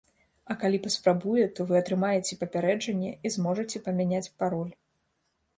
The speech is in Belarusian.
А калі паспрабуе, то вы атрымаеце папярэджанне і зможаце памяняць пароль.